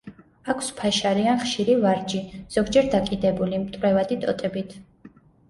აქვს ფაშარი ან ხშირი ვარჯი, ზოგჯერ დაკიდებული, მტვრევადი ტოტებით.